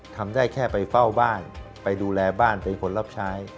ทำได้แค่ไปเฝ้าบ้านไปดูแลบ้านเป็นคนรับใช้